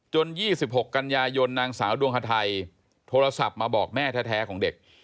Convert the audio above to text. ๒๖กันยายนนางสาวดวงฮาไทยโทรศัพท์มาบอกแม่แท้ของเด็ก